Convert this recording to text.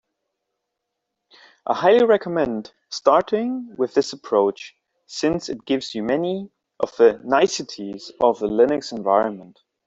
I highly recommend starting with this approach, since it gives you many of the niceties of a Linux environment.